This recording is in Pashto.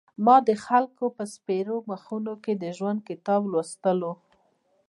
ما د خلکو په سپېرو مخونو کې د ژوند کتاب لوستلو.